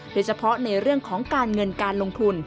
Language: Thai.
โดยเฉพาะในเรื่องของการเงินการลงทุน